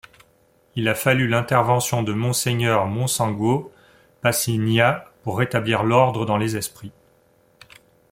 Il a fallu l'intervention de Monseigneur Monsengwo Pasinya pour rétablir l'ordre dans les esprits.